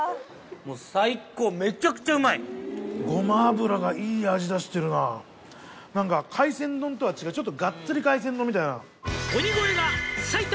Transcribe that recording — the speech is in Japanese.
もう最高めちゃくちゃうまいごま油がいい味出してるな何か海鮮丼とは違うちょっとガッツリ海鮮丼みたいな「鬼越が」